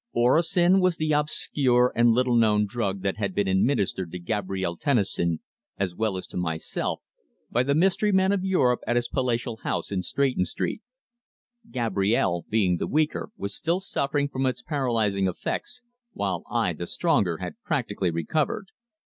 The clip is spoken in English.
Orosin was the obscure and little known drug that had been administered to Gabrielle Tennison, as well as to myself, by the mystery man of Europe at his palatial house in Stretton Street. Gabrielle being the weaker, was still suffering from its paralysing effects, while I, the stronger, had practically recovered.